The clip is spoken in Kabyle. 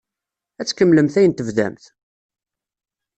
Ad tkemmlemt ayen tebdamt?